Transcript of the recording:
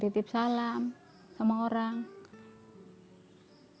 selalu berubah ke sana selalu berubah ke sana